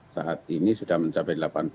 saat ini sudah mencapai